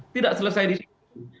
tidak selesai di situ